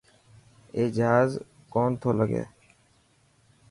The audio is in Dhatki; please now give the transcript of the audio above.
اي جهاز ڪو نٿو لگي.